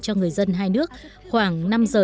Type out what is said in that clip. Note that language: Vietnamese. cho người dân hai nước khoảng năm giờ